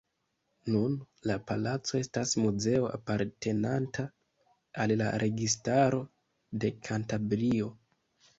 Nun la palaco estas muzeo apartenanta al la Registaro de Kantabrio.